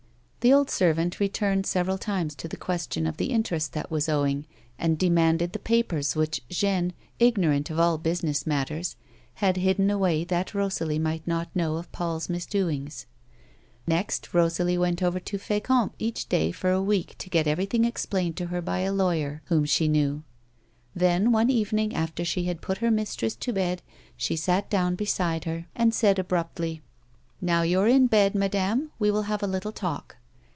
The old servant returned several times to the question of the interest that was owing, and demanded the papers which Jeanne, ignorant of all business matters, had hidden away that Rosalie might not know of Paul's misdoings. Next Rosalie went over to Fecamp each day for a week to get everything explained to her by a lawyer whom she knew ; then one evening after she had put her mistress to bed she sat down beside her and said abruptly :" Now you're in bed, madame, we will have a little talk."